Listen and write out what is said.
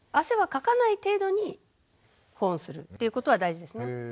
汗はかかない程度に保温するということは大事ですね。